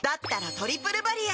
「トリプルバリア」